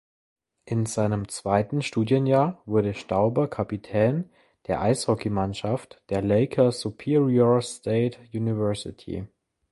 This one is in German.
In seinem zweiten Studienjahr wurde Stauber Kapitän der Eishockeymannschaft der Lake Superior State University.